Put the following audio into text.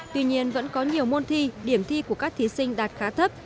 tuy nhiên vẫn có nhiều môn thi điểm thi của các thí sinh đạt khá thấp